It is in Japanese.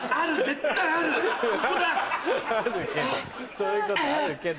そういうことあるけど。